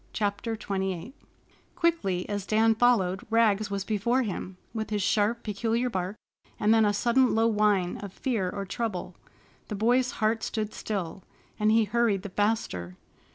CHAPTER XXVIII Quickly as Dan followed, Rags was before him, with his sharp, peculiar bark, and then a sudden low whine of fear or trouble. The boy's heart stood still, and he hurried the faster.